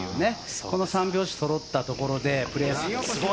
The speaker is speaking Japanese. この三拍子揃ったところでプレーする。